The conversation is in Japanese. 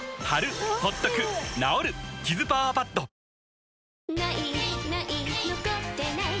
わかるぞ「ない！ない！残ってない！」